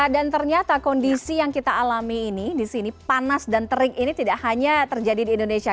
dan ternyata kondisi yang kita alami ini panas dan terik ini tidak hanya terjadi di indonesia